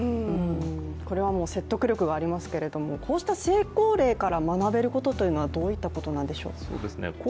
これは説得力がありますけれども、こうした成功例から学べることはどういったことなんでしょう？